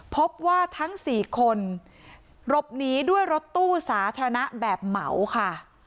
พบว่าทั้ง๔คนหลบหนีด้วยรถตู้สาธารณะแบบเหมาค่ะ